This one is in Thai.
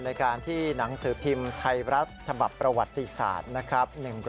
ในการที่หนังสือพิมพ์ไทยรัฐฉบับประวัติศาสตร์นะครับ